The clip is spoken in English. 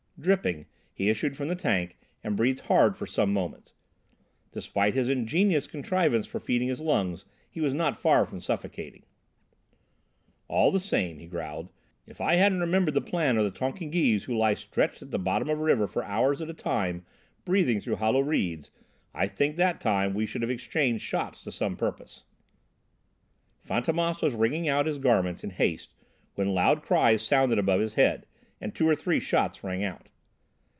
Dripping, he issued from the tank and breathed hard for some moments. Despite his ingenious contrivance for feeding his lungs he was not far from suffocating. "All the same," he growled, "if I hadn't remembered the plan of the Tonkingese who lie stretched at the bottom of a river for hours at a time, breathing through hollow reeds, I think that time we should have exchanged shots to some purpose!" Fantômas was wringing out his garments in haste when loud cries sounded above his head, and two or three shots rang out.